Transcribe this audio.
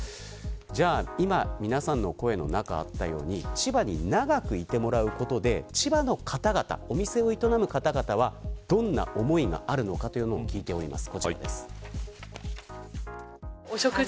今、皆さんの声の中にあったように千葉に長くいてもらうことで千葉の方々お店を営む方々はどんな思いがあるのか聞いています。